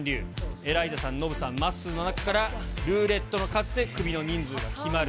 エライザさん、ノブさん、まっすーの中から、ルーレットの数でクビの人数が決まる。